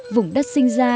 vùng đất sinh ra